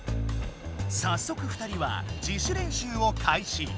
さっそく２人は自主練習をかいし！